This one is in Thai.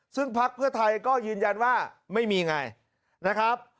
ซึ่งพักเพื่อไทยก็ยืนยันว่าไม่มีไงนะครับ